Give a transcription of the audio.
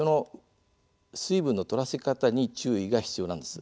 水分のとらせ方に注意が必要なんです。